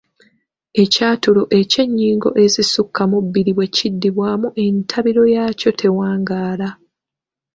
Ekyatulo eky’ennyingo ezisukka ku bbiri bwe kiddibwamu entabiro yaakyo tewangaala.